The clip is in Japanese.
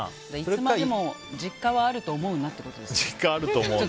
いつまでも実家はあると思うなってことですよ。